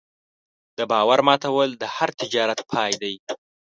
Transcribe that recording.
د باور ماتول د هر تجارت پای دی.